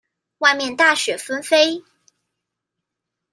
外面大雪紛飛